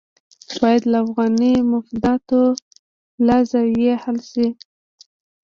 باید له افغاني مفاداتو له زاویې حل شي.